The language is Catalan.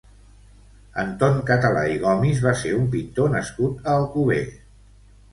Anton Català i Gomis va ser un pintor nascut a Alcover.